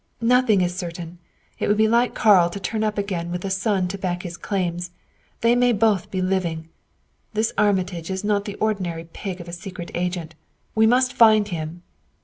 "Nothing is certain; it would be like Karl to turn up again with a son to back his claims. They may both be living. This Armitage is not the ordinary pig of a secret agent. We must find him."